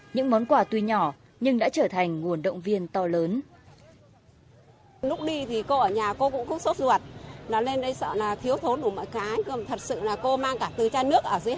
những món quà tuy nhỏ nhưng đã trở thành nguồn động viên to lớn